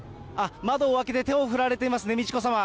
窓を開けて手を振られていますね、美智子さま。